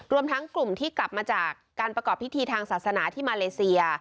รวมทั้งกลุ่มที่กลับมาจากการประกอบพิธีทางศาสนาที่มาเลเซีย